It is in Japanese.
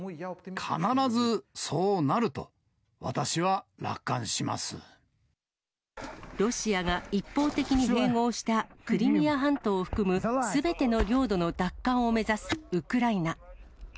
必ずそうなると、ロシアが一方的に併合したクリミア半島を含むすべての領土の奪還を目指すウクライナ。